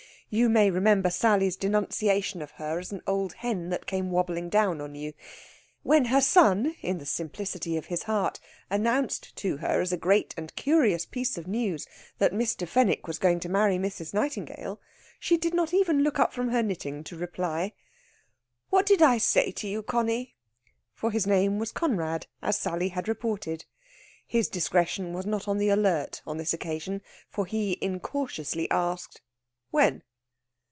You may remember Sally's denunciation of her as an old hen that came wobbling down on you. When her son (in the simplicity of his heart) announced to her as a great and curious piece of news that Mr. Fenwick was going to marry Mrs. Nightingale, she did not even look up from her knitting to reply: "What did I say to you, Conny?" For his name was Conrad, as Sally had reported. His discretion was not on the alert on this occasion, for he incautiously asked, "When?"